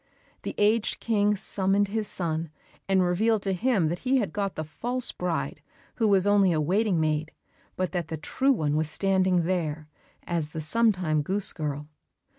The aged King summoned his son, and revealed to him that he had got the false bride who was only a waiting maid, but that the true one was standing there, as the sometime goose girl.